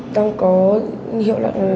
đang có hiệu lận